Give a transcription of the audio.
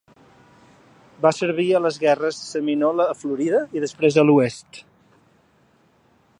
Va servir a les Guerres Seminola a Florida i després a l'Oest.